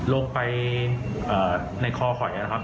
ลงไปในคอหอยนะครับ